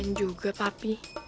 kasian juga papi